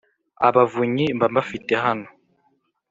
Abavunyi mba mbafite hano